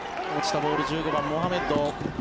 ボール１５番、モハメッド。